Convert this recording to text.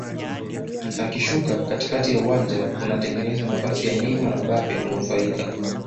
Akishuka katikati ya uwanja kunatengeza nafasi kwa Neymar na Mbappe kunufaika